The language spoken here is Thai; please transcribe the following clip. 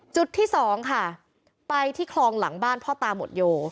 จุดที่สองค่ะไปที่คลองหลังบ้านพ่อตาหมดโย